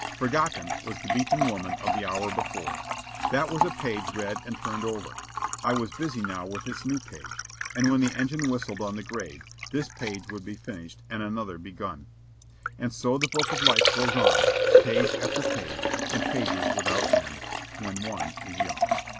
Forgotten was the beaten woman of the hour before. That was a page read and turned over; I was busy now with this new page, and when the engine whistled on the grade, this page would be finished and another begun; and so the book of life goes on, page after page and pages without end when one is young.